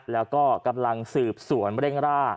แล้วก็กำลังสืบสวนเร่งร่า